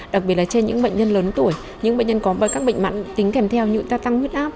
đặc biệt là trên những bệnh nhân lớn tuổi những bệnh nhân có các bệnh mặn tính kèm theo như ta tăng huyết áp